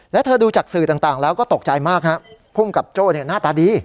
และเธอดูจากสื่อต่างต่างแล้วก็ตกใจมากฮะพุ่มกับโจ้เนี้ยหน้าตาดี